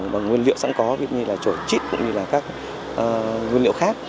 bằng nguyên liệu sẵn có như là trổi chít cũng như là các nguyên liệu khác